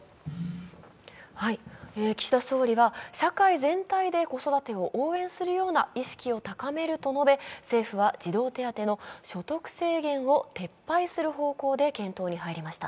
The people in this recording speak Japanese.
岸田総理は社会全体で子育てを応援するような意識を高めると述べ、政府は児童手当の所得制限を撤廃する方向で検討に入りました。